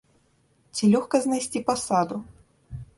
Ці лёгка знайсці пасаду?